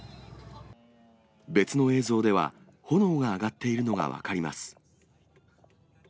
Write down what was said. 別の映像では、炎が上がっているのが分かります。